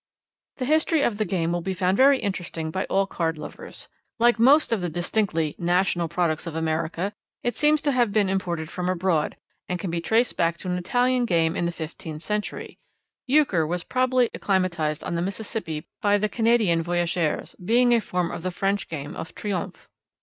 The history of the game will be found very interesting by all card lovers. Like most of the distinctly national products of America, it seems to have been imported from abroad and can be traced back to an Italian game in the fifteenth century. Euchre was probably acclimatised on the Mississippi by the Canadian voyageurs, being a form of the French game of Triomphe.